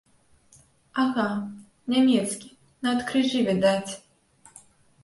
Ага, нямецкі, нават крыжы відаць.